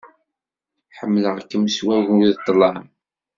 Ḥemmleɣ-kem s wagu d ṭṭlam.